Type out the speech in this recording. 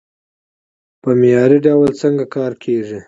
په معياري ډول سنګکاري کېږي،